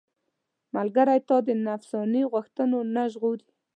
ملګری تا د نفساني غوښتنو نه ژغوري.